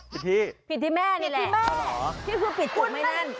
ผิดที่ผิดที่แม่นี่แหละผิดที่แม่ที่คือปิดปุ่มให้แน่น